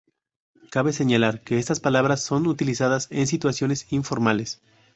Cabe señalar que estas palabras son utilizadas en situaciones informales.